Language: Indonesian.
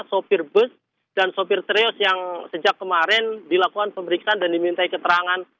sopir bus dan sopir trio yang sejak kemarin dilakukan pemeriksaan dan dimintai keterangan